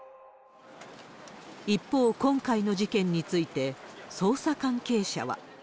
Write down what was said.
一方、今回の事件について、捜査関係者は。